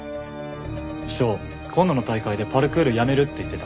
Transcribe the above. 翔今度の大会でパルクールやめるって言ってた。